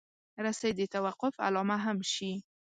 رسۍ د توقف علامه هم شي.